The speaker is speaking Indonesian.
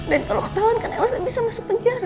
dan kalau ketawan kan elsa bisa masuk penjara